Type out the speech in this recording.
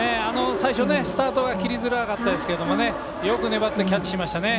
最初、スタートが切りづらかったですけどよく粘ってキャッチしましたね。